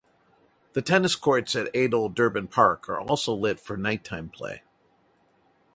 The tennis courts at Adel Durbin Park are also lit for nighttime play.